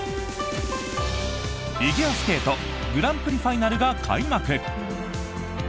フィギュアスケートグランプリファイナルが開幕。